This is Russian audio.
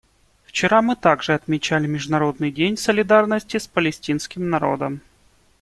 Вчера мы также отмечали Международный день солидарности с палестинским народом.